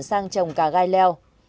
sang trồng cá gai leo